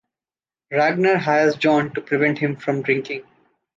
Ragnar hires John to prevent him from drinking.